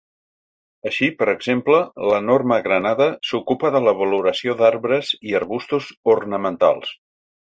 Així, per exemple, la Norma Granada s'ocupa de la valoració d'arbres i arbustos ornamentals.